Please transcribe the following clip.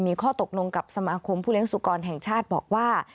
มีข้อตกลงกับสมาคมผู้เลี้ยสุกรแห่งชาติบอกว่า